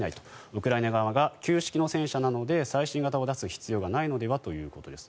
ウクライナ側が旧式の戦車なので最新型を出す必要がないのではということです。